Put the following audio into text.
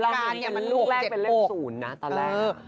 การมันลูกแรกเป็นเลข๐นะตอนแรก